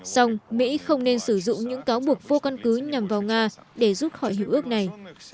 song mỹ không nên sử dụng những cáo buộc vô con cứ nhằm vào nga để giúp hỏi hiệu ước này